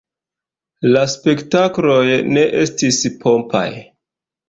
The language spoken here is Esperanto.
La spektakloj ne estis pompaj.